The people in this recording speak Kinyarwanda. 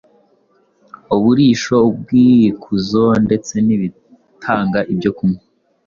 uburisho, ubwikuzo ndetse n’ibitanga ibyo kunywa,